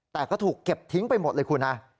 แต่ก็ถูกเก็บทิ้งไปหมดเลยคุณฮะ